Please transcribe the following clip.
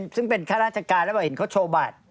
ซึ่งเป็นฆาตราชกาแล้วเห็นเขาโชว์บาท